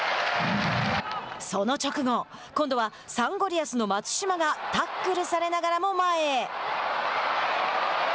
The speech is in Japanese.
その直後今度はサンゴリアスの松島がタックルされながらも前へ。